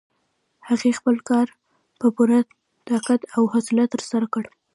هغې خپل کار په پوره دقت او حوصله ترسره کړ.